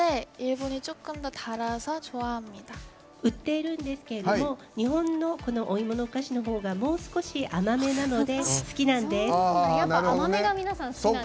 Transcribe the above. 売っているんですけれども日本の多くのお芋のお菓子のほうがもう少し甘めなので好きなんです。